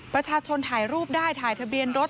ประชาชนถ่ายรูปได้ถ่ายทะเบียนรถ